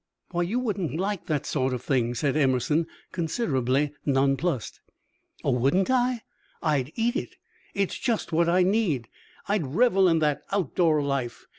Why, you wouldn't like that sort of thing," said Emerson, considerably nonplussed. "Oh, wouldn't I? I'd eat it! It's just what I need. I'd revel in that out door life."